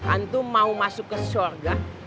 antum mau masuk ke syurga